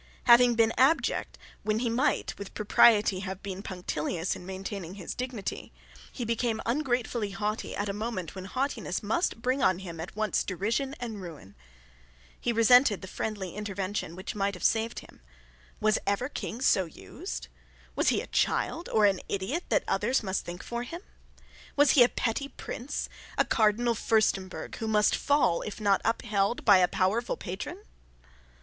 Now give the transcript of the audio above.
Having been abject when he might, with propriety, have been punctilious in maintaining his dignity, he became ungratefully haughty at a moment when haughtiness must bring on him at once derision and ruin. He resented the friendly intervention which might have saved him. Was ever King so used? Was he a child, or an idiot, that others must think for him? Was he a petty prince, a Cardinal Furstemburg, who must fall if not upheld by a powerful patron?